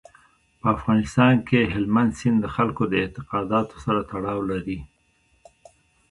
په افغانستان کې هلمند سیند د خلکو د اعتقاداتو سره تړاو لري.